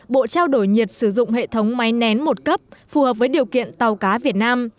bộ trao đổi nhiệt sử dụng hệ thống máy nén một cấp phù hợp với điều kiện tàu cá việt nam